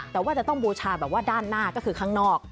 แต่ว่าจะต้องบูชาแบบว่าด้านหน้าก็คือข้างนอก